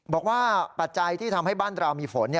ปัจจัยที่ทำให้บ้านเรามีฝน